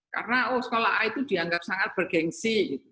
karena sekolah a itu dianggap sangat bergensi